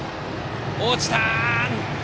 落ちた。